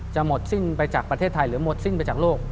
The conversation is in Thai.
หมดสิ้นไปจากประเทศไทยหรือหมดสิ้นไปจากโลก